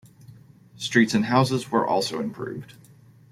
Streets and houses were also improved.